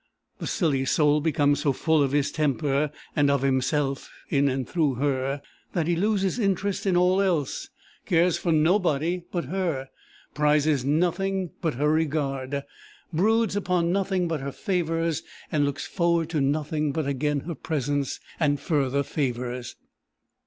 The silly soul becomes so full of his tempter, and of himself in and through her, that he loses interest in all else, cares for nobody but her, prizes nothing but her regard, broods upon nothing but her favours, looks forward to nothing but again her presence and further favours.